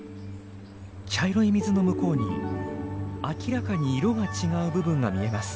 茶色い水の向こうに明らかに色が違う部分が見えます。